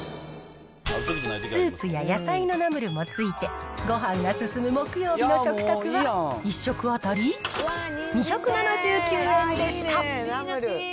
スープや野菜のナムルもついて、ごはんが進む木曜日の食卓は、１食当たり２７９円でした。